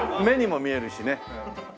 目にも見えるしね。